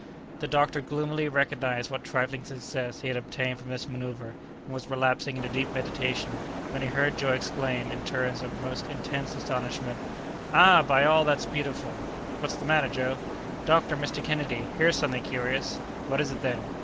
The doctor gloomily recognized what trifling success he had obtained from his manœuvre, and was relapsing into deep meditation, when he heard Joe exclaim, in tones of most intense astonishment: "Ah! by all that's beautiful!" "What's the matter, Joe?" "Doctor! Mr. Kennedy! Here's something curious!" "What is it, then?"